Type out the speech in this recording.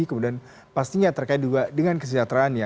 kemudian pastinya terkait juga dengan kesejahteraan ya